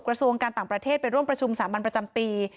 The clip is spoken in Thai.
กระทรวงการต่างประเทศไปร่วมประชุมสามัญประจำปี